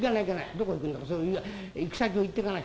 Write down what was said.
どこ行くんだか行き先を言ってかなくちゃ。